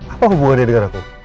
apa hubungannya dengan aku